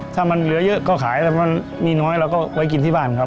ถ้ามันเหลือเยอะก็ขายแล้วมันมีน้อยเราก็ไว้กินที่บ้านครับ